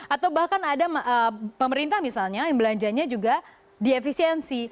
atau bahkan ada pemerintah misalnya yang belanjanya juga diefisiensi